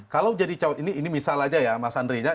kalau jadi cowok ini ini misal aja ya mas andre